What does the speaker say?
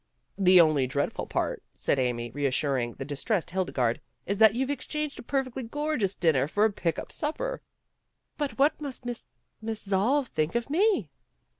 "The only dreadful part," said Amy, reas suring the distressed Hildegarde, "is that you've exchanged a perfectly gorgeous dinner for a pick up supper." "But what must Miss Miss Zall think of me!"